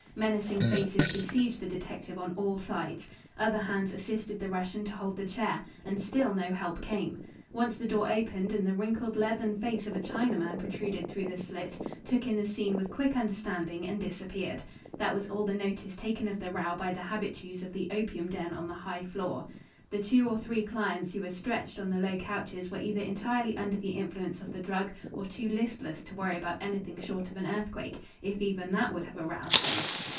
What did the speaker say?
Menacing faces besieged the detective on all sides. Other hands assisted the Russian to hold the chair. And still no help came. Once the door opened and the wrinkled leathern face of a Chinaman protruded through the slit, took in the scene with quick understanding and disappeared. That was all the notice taken of the row by the habitués of the opium den on the high floor. The two or three clients who were stretched on the low couches were either entirely under the influence of the drug or too listless to worry about anything short of an earthquake if even that would have aroused them.